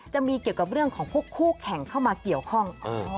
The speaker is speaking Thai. จะมีเกี่ยวกับเรื่องของพวกคู่แข่งเข้ามาเกี่ยวข้อง